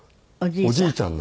おじいちゃん？